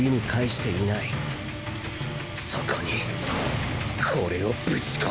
そこにこれをぶち込む！